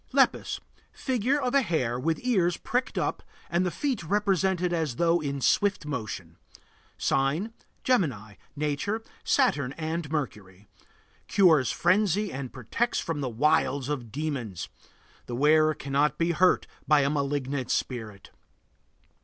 LEPUS. Figure of a hare with ears pricked up and the feet represented as though in swift motion. Sign: Gemini. Nature: Saturn and Mercury. Cures frenzy and protects from the wiles of demons. The wearer cannot be hurt by a malignant spirit.